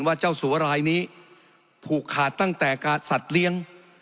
เจ้าสัวรายนี้ผูกขาดตั้งแต่สัตว์เลี้ยง